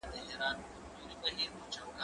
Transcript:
زه کولای سم کتابتون ته ولاړ سم؟!